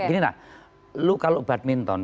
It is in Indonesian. gini nah lu kalau badminton